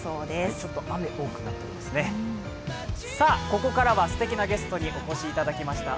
ここからはすてきなゲストにお越しいただきました。